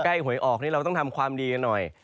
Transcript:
หวยออกนี่เราต้องทำความดีกันหน่อย